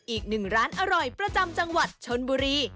อีกหนึ่งร้านอร่อยประจำจังหวัดชนบุรี